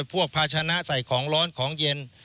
ภาชนะใส่ของร้อนของเย็น